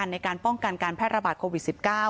ในการป้องกันการแพร่ระบาดโควิด๑๙